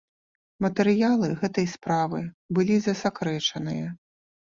Матэрыялы гэтай справы былі засакрэчаныя.